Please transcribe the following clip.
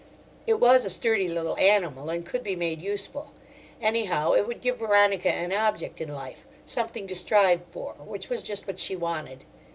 It was a sturdy little animal, and could be made useful. Anyhow, it would give Veronica an object in life—something to strive for—which was just what she wanted.